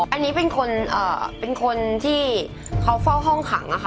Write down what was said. อันนี้เป็นคนเอ่อเป็นคนที่เขาเฝ้าห้องขังอ่ะค่ะ